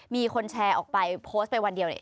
มีคนแชร์ออกไปโพสต์ไปวันเดียวเนี่ย